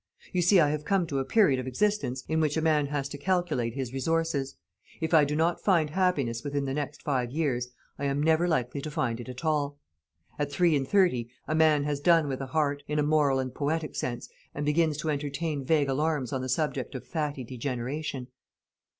You see I have come to a period of existence in which a man has to calculate his resources. If I do not find happiness within the next five years, I am never likely to find it at all. At three and thirty a man has done with a heart, in a moral and poetic sense, and begins to entertain vague alarms on the subject of fatty degeneration."